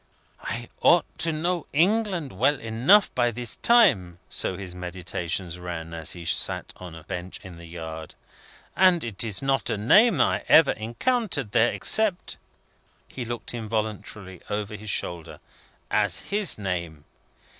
"I ought to know England well enough by this time;" so his meditations ran, as he sat on a bench in the yard; "and it is not a name I ever encountered there, except " he looked involuntarily over his shoulder "as his name.